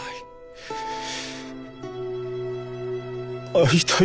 会いたい。